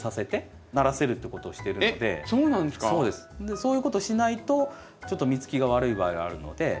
そういうことをしないとちょっと実つきが悪い場合があるので。